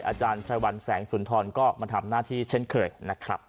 อาจารย์ไพรวัลแสงสุนทรก็มาทำหน้าที่เช่นเคยนะครับ